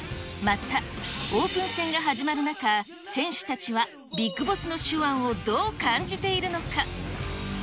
また、オープン戦が始まる中、選手たちはビッグボスの手腕をどう感じているのか。